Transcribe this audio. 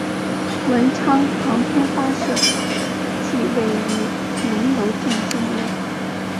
文昌航天发射场即位于龙楼镇境内。